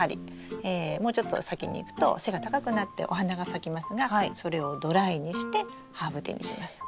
もうちょっと先にいくと背が高くなってお花が咲きますがそれをドライにしてハーブティーにします。